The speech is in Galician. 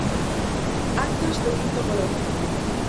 Actas do quinto coloquio.